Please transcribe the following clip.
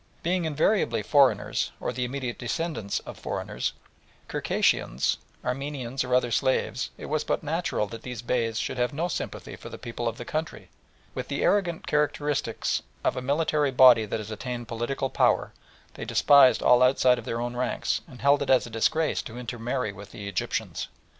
Being invariably foreigners, or the immediate descendants of foreigners, Circassians, Armenians, or other slaves, it was but natural that these Beys should have no sympathy for the people of the country, and, with the arrogance characteristic of a military body that has attained political power, despised all outside of their own ranks, and held it a disgrace to intermarry with the Egyptians.